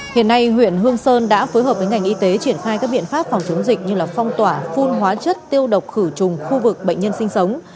hiện nay huyện hương sơn đã phối hợp với ngành y tế triển khai các biện pháp phòng chống dịch như phong tỏa phun hóa chất tiêu độc khử trùng khu vực bệnh nhân sinh sống